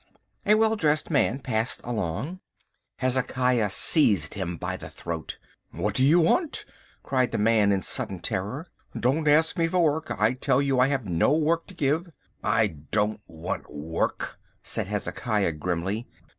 A well dressed man passed along. Hezekiah seized him by the throat. "What do you want?" cried the man in sudden terror. "Don't ask me for work. I tell you I have no work to give." "I don't want work," said Hezekiah grimly.